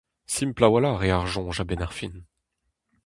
Simpl a-walc'h eo ar soñj a-benn ar fin.